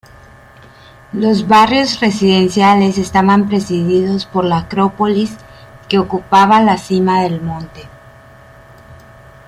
Los barrios residenciales estaban presididos por la acrópolis, que ocupaba la cima del monte.